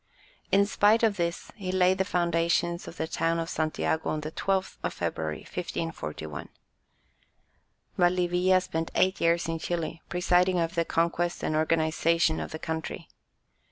In spite of this, he laid the foundations of the town of Santiago on the 12th of February, 1541. Valdivia spent eight years in Chili, presiding over the conquest and organization of the country.